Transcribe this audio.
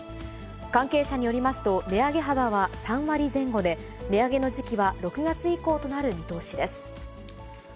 関係者によりますと、値上げ幅は３割前後で、値上げの時期は６月以降となる見通しです。